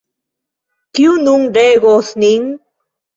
Kiu nun regos nin?